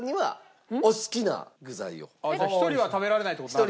じゃあ１人は食べられないって事になるの？